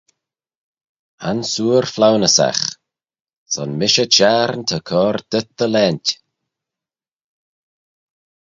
Ansoor flaunyssagh: Son mish y Çhiarn ta cur dhyt dty 'laynt.